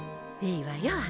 いいわよ